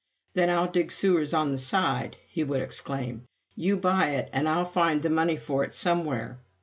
"Then I'll dig sewers on the side!" he would exclaim. "You buy it, and I'll find the money for it somewhere."